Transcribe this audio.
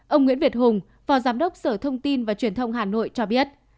ông nguyễn việt hùng phó giám đốc sở thông tin và truyền thông hà nội cho biết